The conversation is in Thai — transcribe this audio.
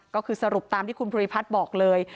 ก็คือสรุปตามที่คุณภูริพัฒน์บอกเลย